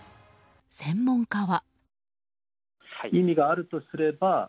専門家は。